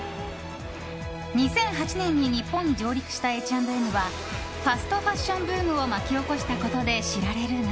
２００８年に日本に上陸したＨ＆Ｍはファストファッションブームを巻き起こしたことで知られるが